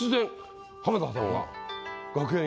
浜田さんが。